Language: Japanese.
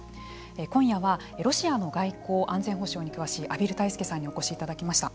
今夜はロシアの外交・安全保障に詳しい畔蒜泰助さんにお越しいただきました。